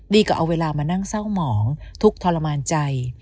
กับเอาเวลามานั่งเศร้าหมองทุกข์ทรมานใจ